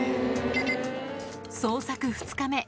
捜索２日目。